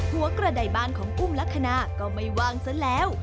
หัวกระดายบ้านของอุ้มลักษณะก็ไม่ว่างซะแล้ว